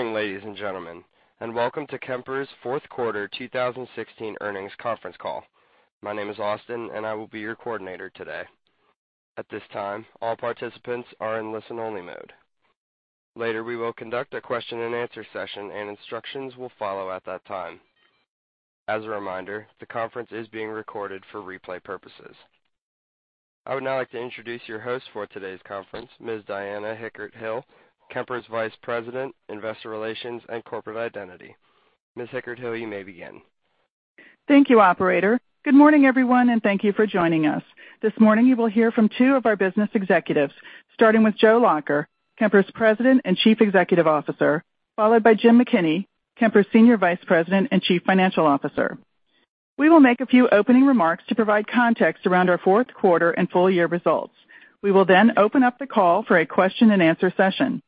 Good morning, ladies and gentlemen, welcome to Kemper's fourth quarter 2016 earnings conference call. My name is Austin, I will be your coordinator today. At this time, all participants are in listen-only mode. Later, we will conduct a question and answer session, instructions will follow at that time. As a reminder, the conference is being recorded for replay purposes. I would now like to introduce your host for today's conference, Ms. Diana Hickert-Hill, Kemper's Vice President, Investor Relations, and Corporate Identity. Ms. Hickert-Hill, you may begin. Thank you, operator. Good morning, everyone, thank you for joining us. This morning, you will hear from two of our business executives, starting with Joe Lacher, Kemper's President and Chief Executive Officer, followed by Jim McKinney, Kemper's Senior Vice President and Chief Financial Officer. We will make a few opening remarks to provide context around our fourth quarter and full-year results. We will open up the call for a question and answer session.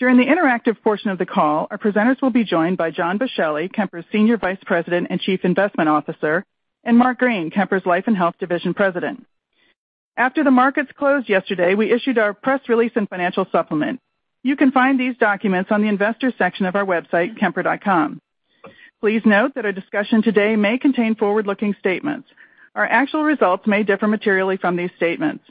During the interactive portion of the call, our presenters will be joined by John Boschelli, Kemper's Senior Vice President and Chief Investment Officer, and Mark Green, Kemper's Life and Health Division President. After the markets closed yesterday, we issued our press release and financial supplement. You can find these documents on the investor section of our website, kemper.com. Please note that our discussion today may contain forward-looking statements. Our actual results may differ materially from these statements.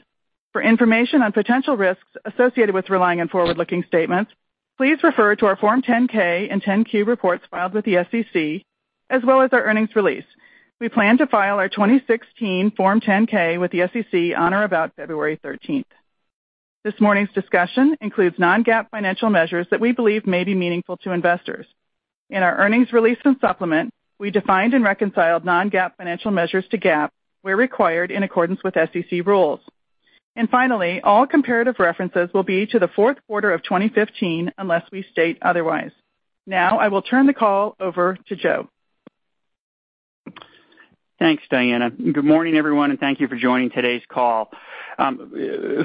For information on potential risks associated with relying on forward-looking statements, please refer to our Form 10-K and 10-Q reports filed with the SEC, as well as our earnings release. We plan to file our 2016 Form 10-K with the SEC on or about February 13th. This morning's discussion includes non-GAAP financial measures that we believe may be meaningful to investors. In our earnings release and supplement, we defined and reconciled non-GAAP financial measures to GAAP where required in accordance with SEC rules. Finally, all comparative references will be to the fourth quarter of 2015 unless we state otherwise. Now, I will turn the call over to Joe. Thanks, Diana. Good morning, everyone, thank you for joining today's call.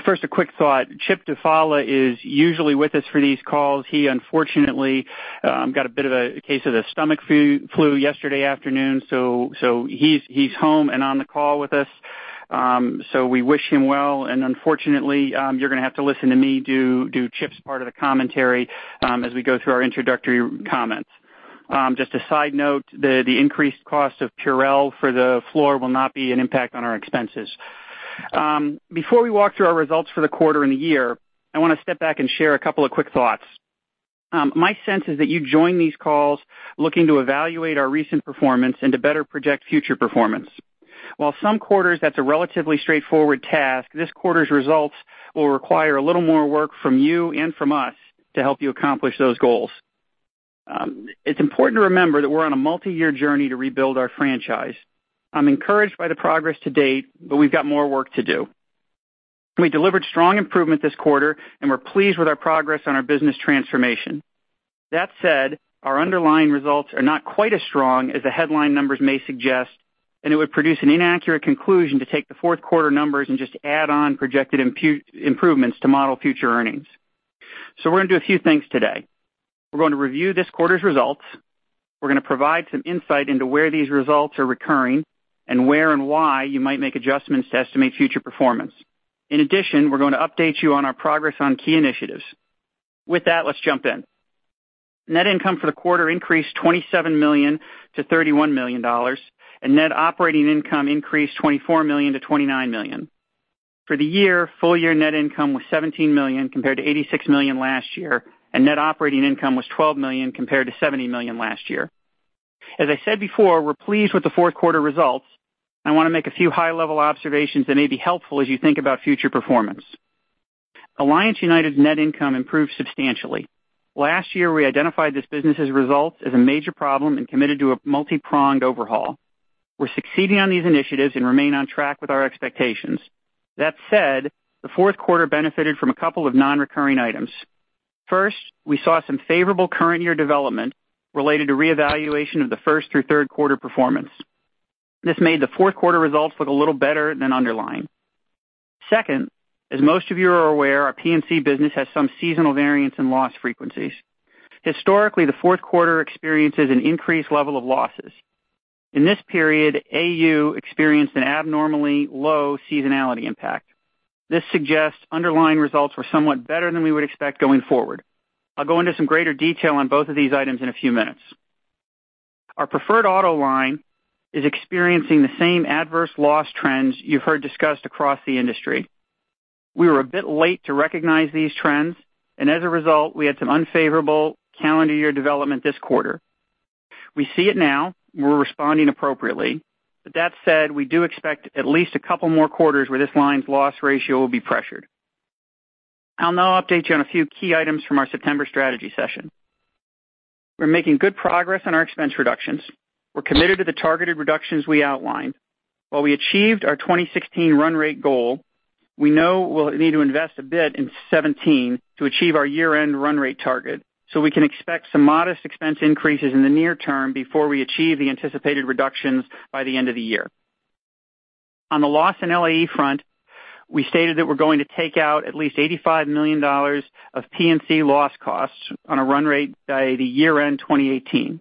First, a quick thought. Chip Dufala is usually with us for these calls. He unfortunately got a bit of a case of the stomach flu yesterday afternoon, he's home and on the call with us. We wish him well, unfortunately, you're going to have to listen to me do Chip's part of the commentary as we go through our introductory comments. Just a side note, the increased cost of Purell for the floor will not be an impact on our expenses. Before we walk through our results for the quarter and the year, I want to step back and share a couple of quick thoughts. My sense is that you join these calls looking to evaluate our recent performance and to better project future performance. While some quarters that's a relatively straightforward task, this quarter's results will require a little more work from you and from us to help you accomplish those goals. It's important to remember that we're on a multi-year journey to rebuild our franchise. I'm encouraged by the progress to date, but we've got more work to do. We delivered strong improvement this quarter, and we're pleased with our progress on our business transformation. That said, our underlying results are not quite as strong as the headline numbers may suggest, and it would produce an inaccurate conclusion to take the fourth quarter numbers and just add on projected improvements to model future earnings. We're going to do a few things today. We're going to review this quarter's results. We're going to provide some insight into where these results are recurring and where and why you might make adjustments to estimate future performance. In addition, we're going to update you on our progress on key initiatives. With that, let's jump in. Net income for the quarter increased $27 million to $31 million, and net operating income increased $24 million to $29 million. For the year, full-year net income was $17 million compared to $86 million last year, and net operating income was $12 million compared to $70 million last year. As I said before, we're pleased with the fourth quarter results. I want to make a few high-level observations that may be helpful as you think about future performance. Alliance United's net income improved substantially. Last year, we identified this business's results as a major problem and committed to a multi-pronged overhaul. We're succeeding on these initiatives and remain on track with our expectations. That said, the fourth quarter benefited from a couple of non-recurring items. First, we saw some favorable current year development related to reevaluation of the first through third quarter performance. This made the fourth quarter results look a little better than underlying. Second, as most of you are aware, our P&C business has some seasonal variance in loss frequencies. Historically, the fourth quarter experiences an increased level of losses. In this period, AU experienced an abnormally low seasonality impact. This suggests underlying results were somewhat better than we would expect going forward. I'll go into some greater detail on both of these items in a few minutes. Our preferred auto line is experiencing the same adverse loss trends you've heard discussed across the industry. We were a bit late to recognize these trends. As a result, we had some unfavorable calendar year development this quarter. We see it now, and we're responding appropriately. That said, we do expect at least a couple more quarters where this line's loss ratio will be pressured. I'll now update you on a few key items from our September strategy session. We're making good progress on our expense reductions. We're committed to the targeted reductions we outlined. While we achieved our 2016 run rate goal, we know we'll need to invest a bit in 2017 to achieve our year-end run rate target. We can expect some modest expense increases in the near term before we achieve the anticipated reductions by the end of the year. On the loss and LAE front, we stated that we're going to take out at least $85 million of P&C loss costs on a run rate by the year-end 2018.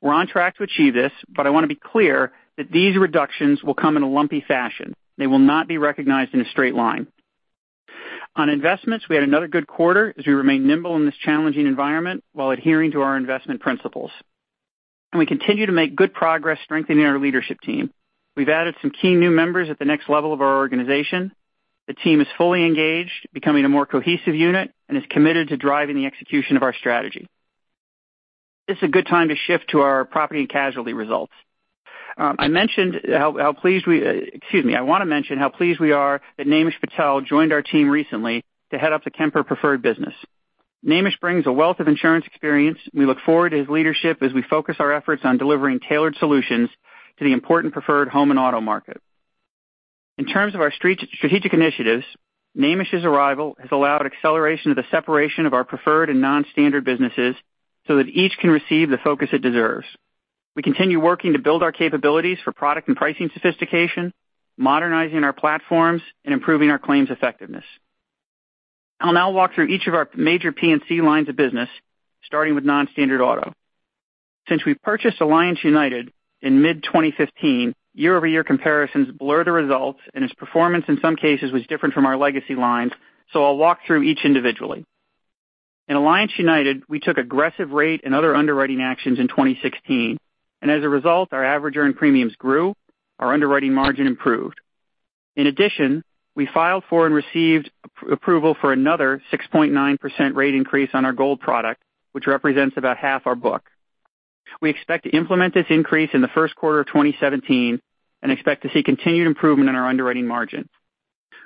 We're on track to achieve this, but I want to be clear that these reductions will come in a lumpy fashion. They will not be recognized in a straight line. On investments, we had another good quarter as we remain nimble in this challenging environment while adhering to our investment principles. We continue to make good progress strengthening our leadership team. We've added some key new members at the next level of our organization. The team is fully engaged, becoming a more cohesive unit, and is committed to driving the execution of our strategy. This is a good time to shift to our property and casualty results. I want to mention how pleased we are that Naimish Patel joined our team recently to head up the Kemper Preferred business. Naimish brings a wealth of insurance experience. We look forward to his leadership as we focus our efforts on delivering tailored solutions to the important preferred home and auto market. In terms of our strategic initiatives, Naimish's arrival has allowed acceleration of the separation of our preferred and non-standard businesses so that each can receive the focus it deserves. We continue working to build our capabilities for product and pricing sophistication, modernizing our platforms, and improving our claims effectiveness. I'll now walk through each of our major P&C lines of business, starting with non-standard auto. Since we purchased Alliance United in mid 2015, year-over-year comparisons blur the results. Its performance in some cases was different from our legacy lines, so I'll walk through each individually. In Alliance United, we took aggressive rate and other underwriting actions in 2016. As a result, our average earned premiums grew, our underwriting margin improved. In addition, we filed for and received approval for another 6.9% rate increase on our Gold product, which represents about half our book. We expect to implement this increase in the first quarter of 2017 and expect to see continued improvement in our underwriting margin.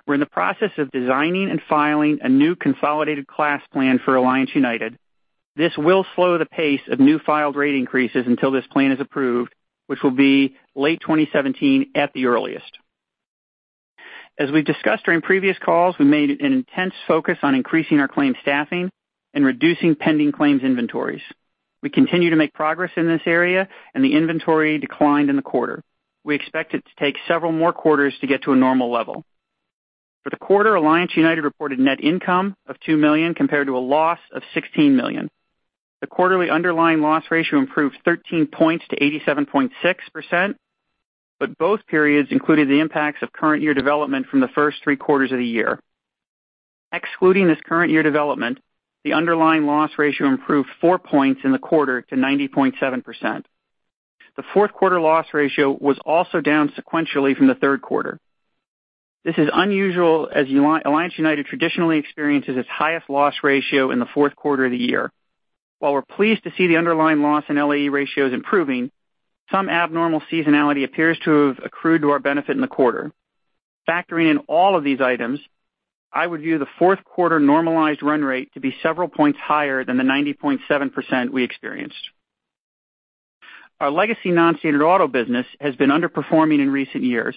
We're in the process of designing and filing a new consolidated class plan for Alliance United. This will slow the pace of new filed rate increases until this plan is approved, which will be late 2017 at the earliest. As we've discussed during previous calls, we made an intense focus on increasing our claims staffing and reducing pending claims inventories. We continue to make progress in this area. The inventory declined in the quarter. We expect it to take several more quarters to get to a normal level. For the quarter, Alliance United reported net income of $2 million compared to a loss of $16 million. The quarterly underlying loss ratio improved 13 points to 87.6%. Both periods included the impacts of current year development from the first three quarters of the year. Excluding this current year development, the underlying loss ratio improved four points in the quarter to 90.7%. The fourth quarter loss ratio was also down sequentially from the third quarter. This is unusual, as Alliance United traditionally experiences its highest loss ratio in the fourth quarter of the year. While we're pleased to see the underlying loss in LAE ratios improving, some abnormal seasonality appears to have accrued to our benefit in the quarter. Factoring in all of these items, I would view the fourth quarter normalized run rate to be several points higher than the 90.7% we experienced. Our legacy non-standard auto business has been underperforming in recent years.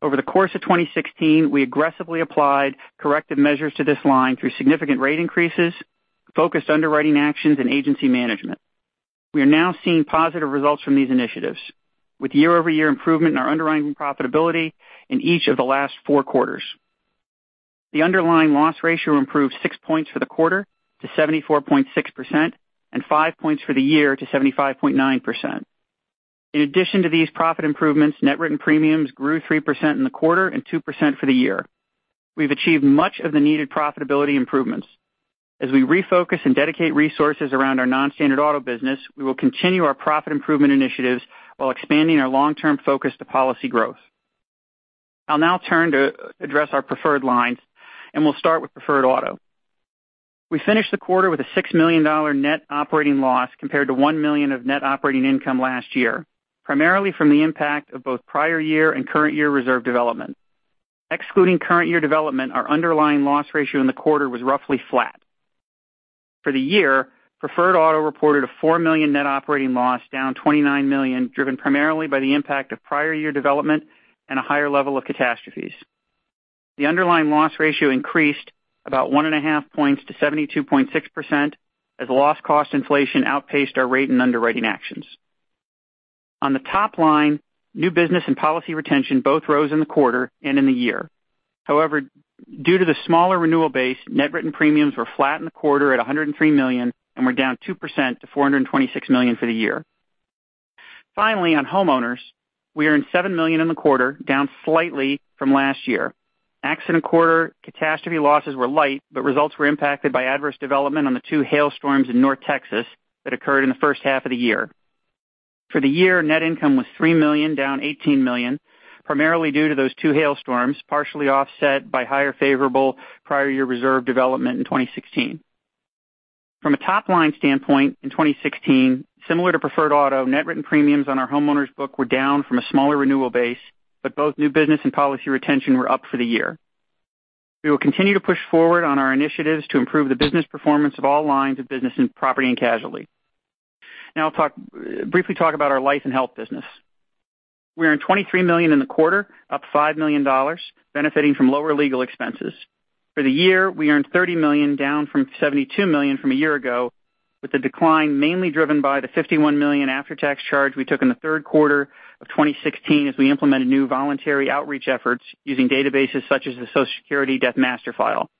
Over the course of 2016, we aggressively applied corrective measures to this line through significant rate increases, focused underwriting actions, and agency management. We are now seeing positive results from these initiatives, with year-over-year improvement in our underwriting profitability in each of the last four quarters. The underlying loss ratio improved six points for the quarter to 74.6% and five points for the year to 75.9%. In addition to these profit improvements, net written premiums grew 3% in the quarter and 2% for the year. We've achieved much of the needed profitability improvements. We refocus and dedicate resources around our non-standard auto business, we will continue our profit improvement initiatives while expanding our long-term focus to policy growth. I'll now turn to address our preferred lines, and we'll start with preferred auto. We finished the quarter with a $6 million net operating loss, compared to $1 million of net operating income last year, primarily from the impact of both prior year and current year reserve development. Excluding current year development, our underlying loss ratio in the quarter was roughly flat. For the year, preferred auto reported a $4 million net operating loss, down $29 million, driven primarily by the impact of prior year development and a higher level of catastrophes. The underlying loss ratio increased about one and a half points to 72.6% as loss cost inflation outpaced our rate and underwriting actions. On the top line, new business and policy retention both rose in the quarter and in the year. Due to the smaller renewal base, net written premiums were flat in the quarter at $103 million and were down 2% to $426 million for the year. Finally, on homeowners, we earned $7 million in the quarter, down slightly from last year. Accident quarter catastrophe losses were light, but results were impacted by adverse development on the two hailstorms in North Texas that occurred in the first half of the year. For the year, net income was $3 million, down $18 million, primarily due to those two hailstorms, partially offset by higher favorable prior year reserve development in 2016. From a top-line standpoint in 2016, similar to preferred auto, net written premiums on our homeowners book were down from a smaller renewal base, but both new business and policy retention were up for the year. We will continue to push forward on our initiatives to improve the business performance of all lines of business in property and casualty. I'll briefly talk about our life and health business. We earned $23 million in the quarter, up $5 million, benefiting from lower legal expenses. For the year, we earned $30 million, down from $72 million from a year ago, with the decline mainly driven by the $51 million after-tax charge we took in the third quarter of 2016 as we implemented new voluntary outreach efforts using databases such as the Social Security Death Master File.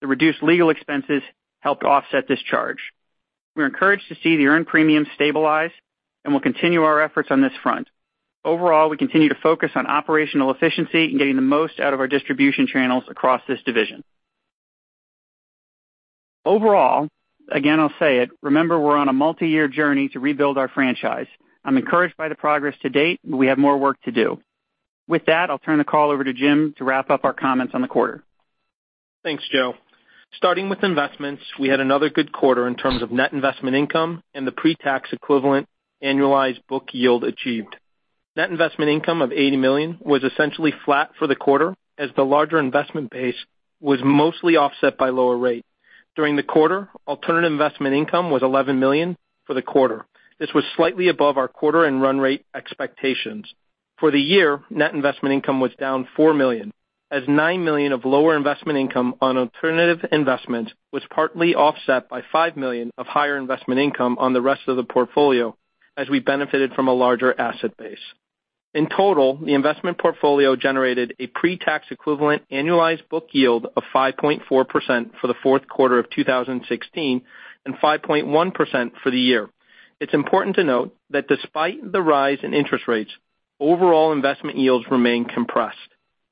The reduced legal expenses helped offset this charge. We're encouraged to see the earned premium stabilize. We'll continue our efforts on this front. Overall, we continue to focus on operational efficiency and getting the most out of our distribution channels across this division. Overall, again, I'll say it, remember we're on a multi-year journey to rebuild our franchise. I'm encouraged by the progress to date. We have more work to do. With that, I'll turn the call over to Jim to wrap up our comments on the quarter. Thanks, Joe. Starting with investments, we had another good quarter in terms of net investment income and the pre-tax equivalent annualized book yield achieved. Net investment income of $80 million was essentially flat for the quarter, as the larger investment base was mostly offset by lower rate. During the quarter, alternative investment income was $11 million for the quarter. This was slightly above our quarter and run rate expectations. For the year, net investment income was down $4 million, as $9 million of lower investment income on alternative investment was partly offset by $5 million of higher investment income on the rest of the portfolio, as we benefited from a larger asset base. In total, the investment portfolio generated a pre-tax equivalent annualized book yield of 5.4% for the fourth quarter of 2016 and 5.1% for the year. It's important to note that despite the rise in interest rates, overall investment yields remain compressed.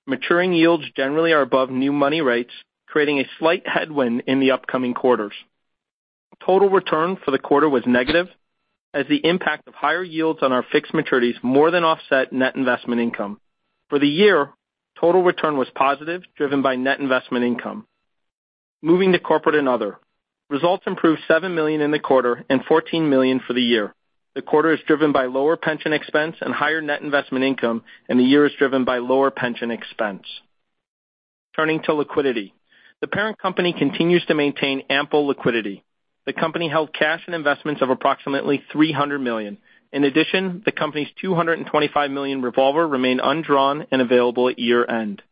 Maturing yields generally are above new money rates, creating a slight headwind in the upcoming quarters. Total return for the quarter was negative, as the impact of higher yields on our fixed maturities more than offset net investment income. For the year, total return was positive, driven by net investment income. Moving to corporate and other. Results improved $7 million in the quarter and $14 million for the year. The quarter is driven by lower pension expense and higher net investment income. The year is driven by lower pension expense. Turning to liquidity. The parent company continues to maintain ample liquidity. The company held cash and investments of approximately $300 million. In addition, the company's $225 million revolver remained undrawn and available at year-end.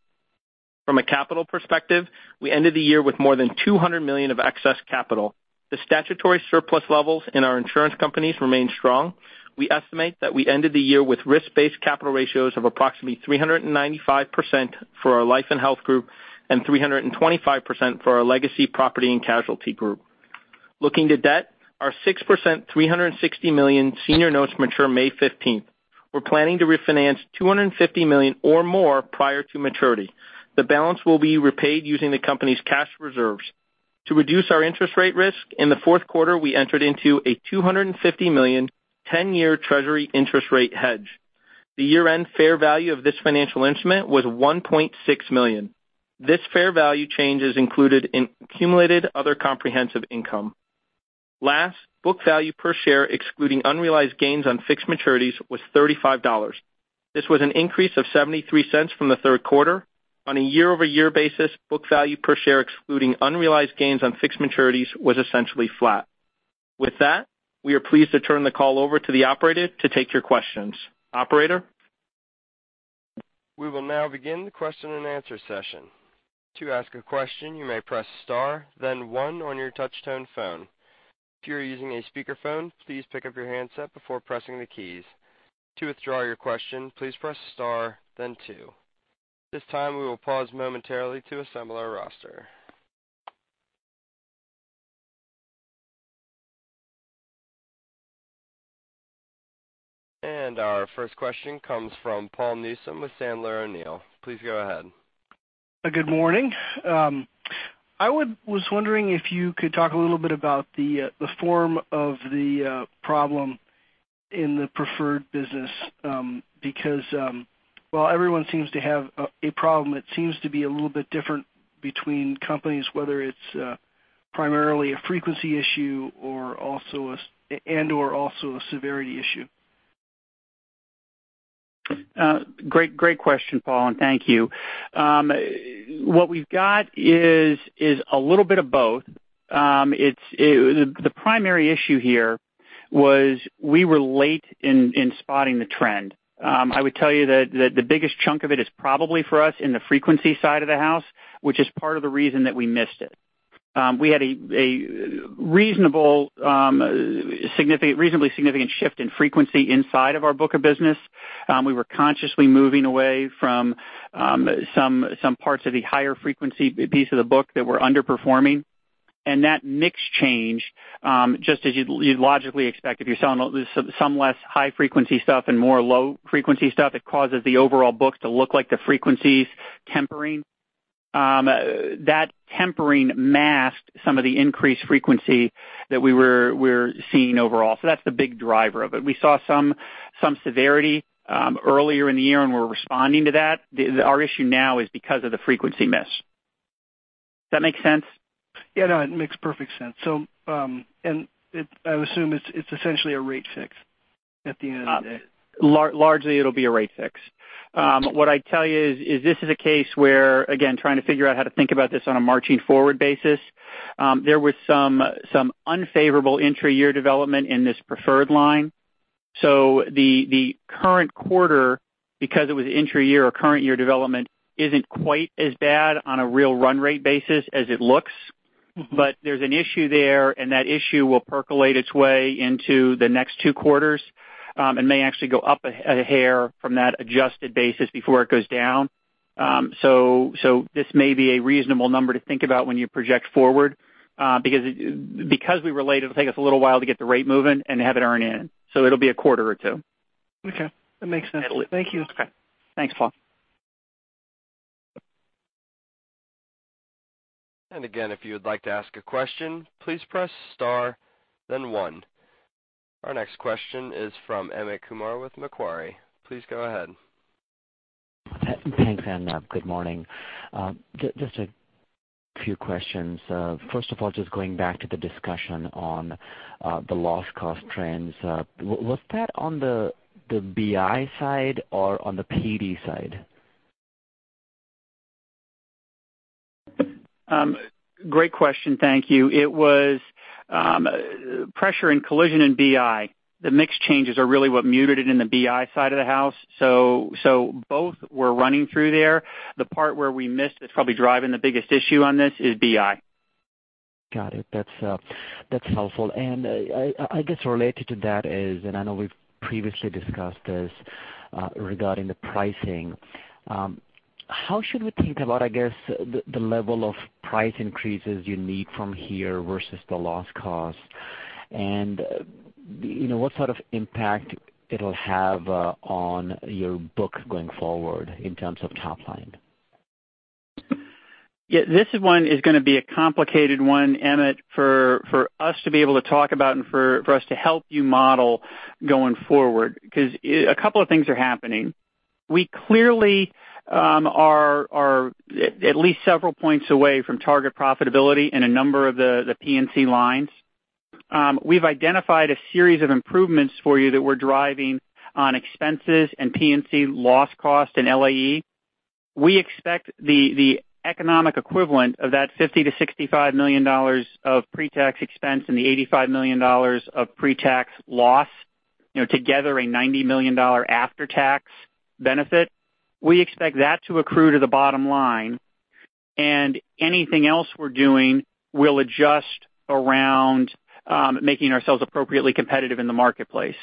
From a capital perspective, we ended the year with more than $200 million of excess capital. The statutory surplus levels in our insurance companies remain strong. We estimate that we ended the year with risk-based capital ratios of approximately 395% for our life and health group and 325% for our legacy property and casualty group. Looking to debt, our 6%, $360 million senior notes mature May 15th. We're planning to refinance $250 million or more prior to maturity. The balance will be repaid using the company's cash reserves. To reduce our interest rate risk, in the fourth quarter, we entered into a $250 million 10-year treasury interest rate hedge. The year-end fair value of this financial instrument was $1.6 million. This fair value change is included in accumulated other comprehensive income. Last, book value per share, excluding unrealized gains on fixed maturities, was $35. This was an increase of $0.73 from the third quarter. On a year-over-year basis, book value per share, excluding unrealized gains on fixed maturities, was essentially flat. With that, we are pleased to turn the call over to the operator to take your questions. Operator? We will now begin the question and answer session. To ask a question, you may press star then one on your touch tone phone. If you are using a speakerphone, please pick up your handset before pressing the keys. To withdraw your question, please press star then two. This time, we will pause momentarily to assemble our roster. Our first question comes from Paul Newsome with Sandler O'Neill. Please go ahead. Good morning. I was wondering if you could talk a little bit about the form of the problem in the preferred business, because while everyone seems to have a problem, it seems to be a little bit different between companies, whether it's primarily a frequency issue and/or also a severity issue. Great question, Paul, and thank you. What we've got is a little bit of both. The primary issue here was we were late in spotting the trend. I would tell you that the biggest chunk of it is probably for us in the frequency side of the house, which is part of the reason that we missed it. We had a reasonably significant shift in frequency inside of our book of business. We were consciously moving away from some parts of the higher frequency piece of the book that were underperforming. That mix change, just as you'd logically expect if you're selling some less high-frequency stuff and more low-frequency stuff, it causes the overall book to look like the frequency's tempering. That tempering masked some of the increased frequency that we're seeing overall. That's the big driver of it. We saw some severity earlier in the year, and we're responding to that. Our issue now is because of the frequency miss. Does that make sense? Yeah, no, it makes perfect sense. I assume it's essentially a rate fix at the end of the day. Largely, it'll be a rate fix. What I'd tell you is this is a case where, again, trying to figure out how to think about this on a marching forward basis. There was some unfavorable intra-year development in this Preferred line. The current quarter, because it was intra-year or current year development, isn't quite as bad on a real run rate basis as it looks. There's an issue there, and that issue will percolate its way into the next two quarters, and may actually go up a hair from that adjusted basis before it goes down. This may be a reasonable number to think about when you project forward, because we relate it'll take us a little while to get the rate moving and have it earn in, so it'll be a quarter or two. Okay. That makes sense. Thank you. Okay. Thanks, Paul. Again, if you would like to ask a question, please press star, then one. Our next question is from Amit Kumar with Macquarie. Please go ahead. Thanks. Good morning. Just a few questions. First of all, just going back to the discussion on the loss cost trends, was that on the BI side or on the PD side? Great question. Thank you. It was pressure in collision in BI. The mix changes are really what muted it in the BI side of the house. Both were running through there. The part where we missed that's probably driving the biggest issue on this is BI. Got it. That's helpful. I guess related to that is, I know we've previously discussed this, regarding the pricing. How should we think about, I guess, the level of price increases you need from here versus the loss cost, and what sort of impact it'll have on your book going forward in terms of top line? Yeah, this one is going to be a complicated one, Amit, for us to be able to talk about and for us to help you model going forward. A couple of things are happening. We clearly are at least several points away from target profitability in a number of the P&C lines. We've identified a series of improvements for you that we're driving on expenses and P&C loss cost and LAE. We expect the economic equivalent of that $50 million-$65 million of pre-tax expense and the $85 million of pre-tax loss, together a $90 million after-tax benefit. We expect that to accrue to the bottom line, and anything else we're doing will adjust around making ourselves appropriately competitive in the marketplace.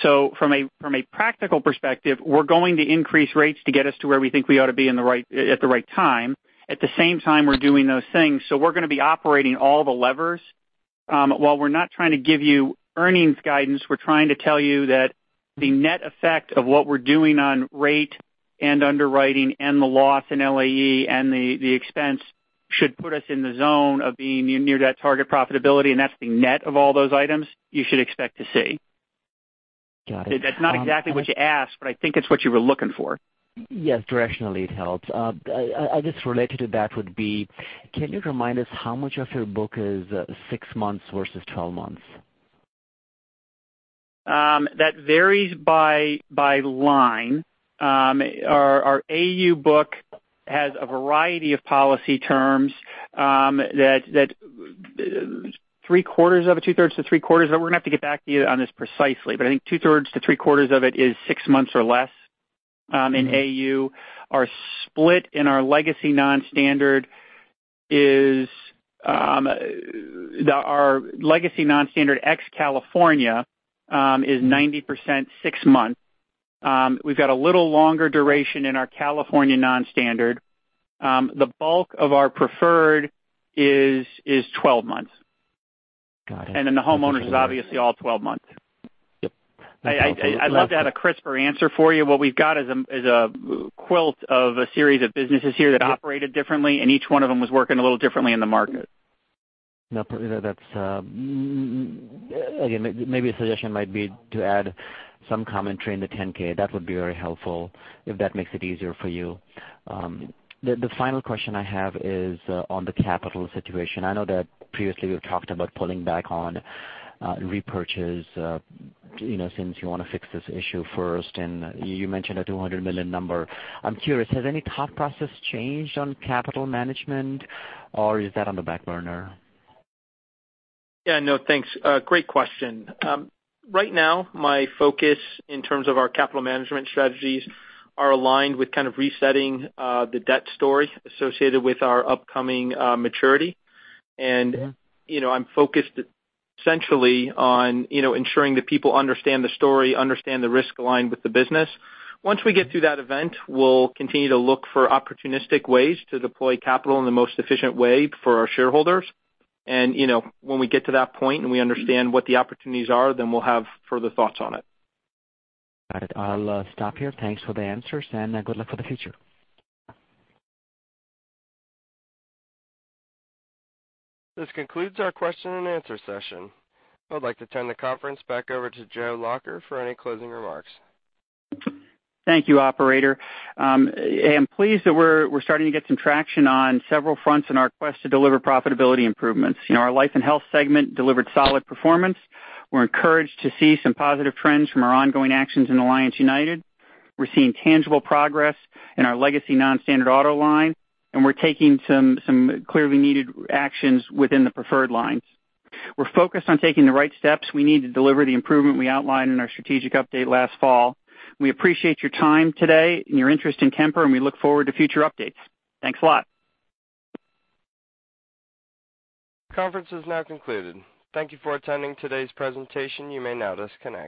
From a practical perspective, we're going to increase rates to get us to where we think we ought to be at the right time. At the same time, we're doing those things. We're going to be operating all the levers. While we're not trying to give you earnings guidance, we're trying to tell you that the net effect of what we're doing on rate and underwriting and the loss in LAE and the expense should put us in the zone of being near that target profitability, and that's the net of all those items you should expect to see. Got it. That's not exactly what you asked, but I think it's what you were looking for. Yes, directionally it helps. I just related to that would be, can you remind us how much of your book is six months versus 12 months? That varies by line. Our AU book has a variety of policy terms that three quarters of it, two-thirds to three-quarters of it, we're going to have to get back to you on this precisely, but I think two-thirds to three-quarters of it is six months or less in AU. Our split in our legacy non-standard X California is 90% six months. We've got a little longer duration in our California non-standard. The bulk of our preferred is 12 months. Got it. The homeowners is obviously all 12 months. Yep. I'd love to have a crisper answer for you. What we've got is a quilt of a series of businesses here that operated differently, and each one of them was working a little differently in the market. Probably that's, again, maybe a suggestion might be to add some commentary in the 10-K. That would be very helpful if that makes it easier for you. The final question I have is on the capital situation. I know that previously we've talked about pulling back on repurchase since you want to fix this issue first, and you mentioned a $200 million number. I'm curious, has any thought process changed on capital management, or is that on the back burner? Thanks. Great question. Right now, my focus in terms of our capital management strategies are aligned with kind of resetting the debt story associated with our upcoming maturity. I'm focused essentially on ensuring that people understand the story, understand the risk aligned with the business. Once we get through that event, we'll continue to look for opportunistic ways to deploy capital in the most efficient way for our shareholders. When we get to that point and we understand what the opportunities are, then we'll have further thoughts on it. Got it. I'll stop here. Thanks for the answers. Good luck for the future. This concludes our question and answer session. I'd like to turn the conference back over to Joe Lacher for any closing remarks. Thank you, operator. I am pleased that we're starting to get some traction on several fronts in our quest to deliver profitability improvements. Our life and health segment delivered solid performance. We're encouraged to see some positive trends from our ongoing actions in Alliance United. We're seeing tangible progress in our legacy non-standard auto line. We're taking some clearly needed actions within the preferred lines. We're focused on taking the right steps we need to deliver the improvement we outlined in our strategic update last fall. We appreciate your time today and your interest in Kemper. We look forward to future updates. Thanks a lot. Conference is now concluded. Thank you for attending today's presentation. You may now disconnect.